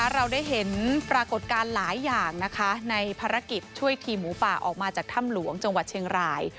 เราได้เห็นปรากฏการณ์หลายอย่างนะคะในภารกิจช่วยทีมหมูป่าออกมาจากถ้ำหลวงจังหวัดเชียงราย